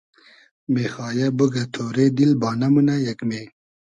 مېخایۂ بوگۂ تۉرې دیل بانۂ مونۂ یئگمې